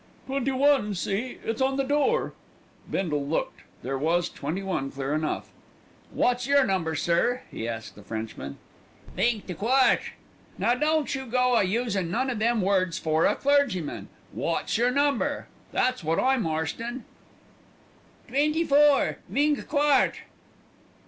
"Twenty one; see, it's on the door." Bindle looked; there was "21" clear enough. "Wot's yer number, sir?" he asked the Frenchman. "Vingt quatre." "Now don't you go a using none of them words 'fore a clergyman. Wot's yer number? that's wot I'm arstin'." "Twenty four vingt quatre."